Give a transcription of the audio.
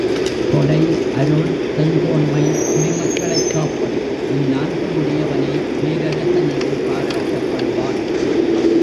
கொடை, அருள், செங்கோன்மை, குடிமக்களைக் காப்பது இந் நான்கும் உடையவனே பேரரசன் என்று பாராட்டப்படுவான்.